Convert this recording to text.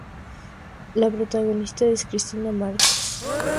La protagonista es Cristina Marcos.